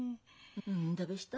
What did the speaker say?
んだべした。